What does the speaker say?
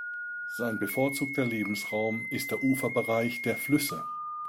Sein bevorzugter Lebensraum ist der Uferbereich der Flüsse.